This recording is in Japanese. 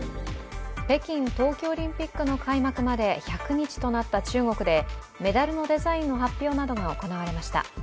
北京冬季オリンピックの開幕まで１００日となった中国で、メダルのデザインの発表などが行われました。